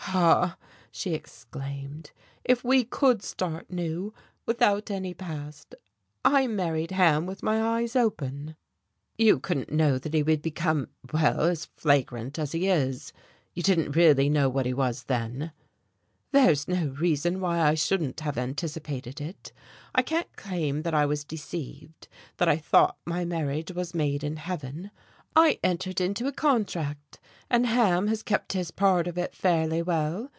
"Ah," she exclaimed, "if we could start new, without any past. I married Ham with my eyes open." "You couldn't know that he would become well, as flagrant as he is. You didn't really know what he was then." "There's no reason why I shouldn't have anticipated it. I can't claim that I was deceived, that I thought my marriage was made in heaven. I entered into a contract, and Ham has kept his part of it fairly well.